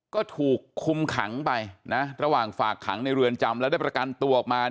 ก็ถูกคุมขังไปนะระหว่างฝากขังในเรือนจำแล้วได้ประกันตัวออกมา